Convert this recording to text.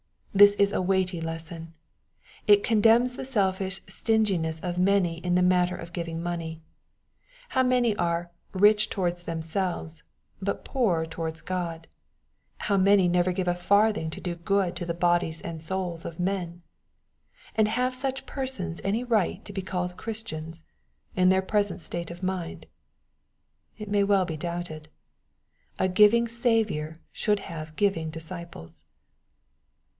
This is a weighty lesson. It condemns the selfish stinginess of many in the matter of giving money. How many are " rich towards themselves," but poor towards God ! How many never give a tarthing to do good to the bodies and souls of men I And have such persons any right to be called Christians, in their present jstate of mind ? It may be well doubted. A giving Saviour should have giving disciples.